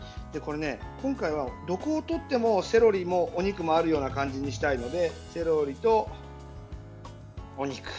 今回は、どこを取ってもセロリもお肉もあるような感じにしたいのでセロリとお肉。